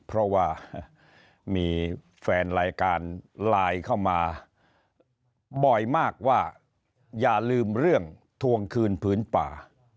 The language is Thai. เพราะว่ามีแฟนรายการไลน์เข้ามาบ่อยมากว่าอย่าลืมเรื่องทวงคืนผืนป่า